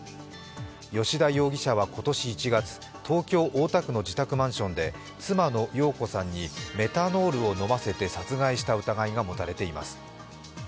吉田容疑者は今年１月、東京・大田区の自宅マンションで妻の容子さんにメタノールを飲ませて殺害した疑いが持たれています。